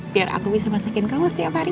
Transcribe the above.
biar aku bisa masakin kamu setiap hari